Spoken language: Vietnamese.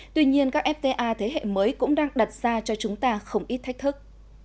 tuy nhiên các fta thế hệ mới cũng đang đặt ra cho chúng ta không ít thách thức